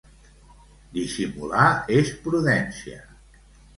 Dissimular és prudència.